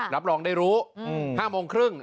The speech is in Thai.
รับรองได้รู้๕โมงครึ่ง